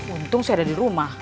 untung saya ada di rumah